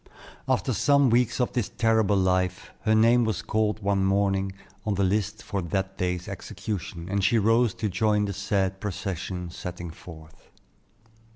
After some weeks of this terrible life, her name was called one morning, on the list for that day's execution, and she rose to join the sad procession setting forth.